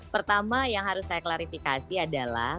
pertama yang harus saya klarifikasi adalah